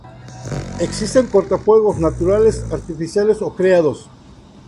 Existen cortafuegos naturales, artificiales o creados.